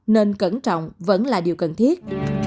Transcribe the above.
nên cẩn trọng vẫn là điều cần thiết